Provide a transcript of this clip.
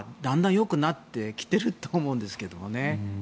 よくなってきてると思うんですけどね。